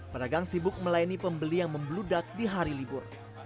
pedagang sibuk melayani pembeli yang membludak di hari libur